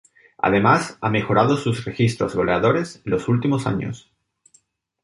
Además, ha mejorado sus registros goleadores en los últimos años.